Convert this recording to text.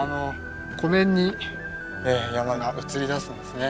湖面に山が映り出すんですね。